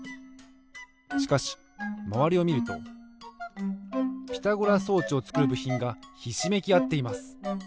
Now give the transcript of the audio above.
しかしまわりをみるとピタゴラ装置をつくるぶひんがひしめきあっています。